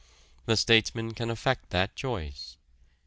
The statesman can affect that choice.